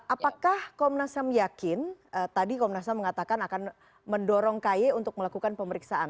apakah komnas ham yakin tadi komnas ham mengatakan akan mendorong ky untuk melakukan pemeriksaan